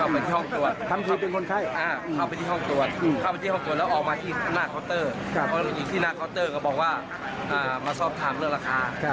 เพราะอยู่ที่หน้าเคาน์เตอร์ก็บอกว่ามาซ่อมทางเลือกราคา